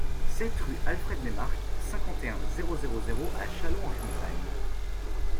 sept rue Alfred Neymarck, cinquante et un, zéro zéro zéro à Châlons-en-Champagne